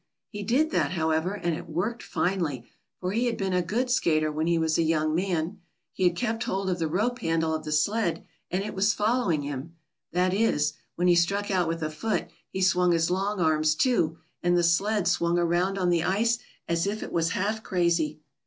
He did that, however, and it worked finely, for he had been a good skater when he was a young man. He had kept hold of the rope handle of the sled, and it was following him. That is, when he struck out with a foot he swung his long arms too, and the sled swung around on the ice as if it was half crazy.